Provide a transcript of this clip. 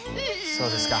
そうですか。